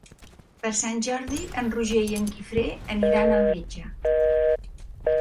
Per Sant Jordi en Roger i en Guifré aniran al metge.